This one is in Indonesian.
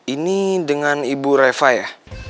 ini dengan ibu reva ya